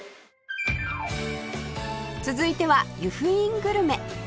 続いては由布院グルメ